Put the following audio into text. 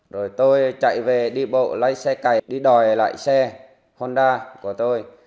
rồi tôi chạy về đi bộ lấy xe cày đi đòi lại xe honda của tôi